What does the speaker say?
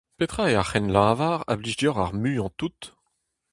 Petra eo ar c'hrennlavar a blij deoc'h ar muiañ-tout ?